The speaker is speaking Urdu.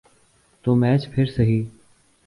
تو میچ پھر سہی۔